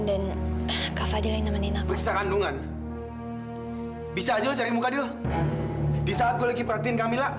dan ke fadil menemani nakal kandungan bisa aja cari muka dulu bisa lagi perhatiin kamila